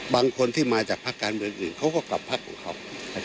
บางคนที่มาจากภาคการเมืองอื่นเขาก็กลับพักของเขา